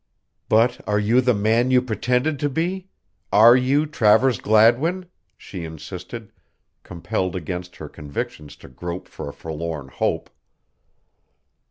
"But are you the man you pretended to be are you Travers Gladwin?" she insisted, compelled against her convictions to grope for a forlorn hope.